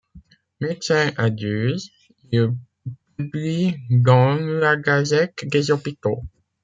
Médecin à Dieuze, il publie dans la Gazette des hôpitaux.